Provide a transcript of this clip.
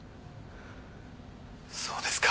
そうですか。